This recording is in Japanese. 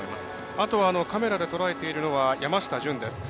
あとはカメラで捉えているのは山下潤です。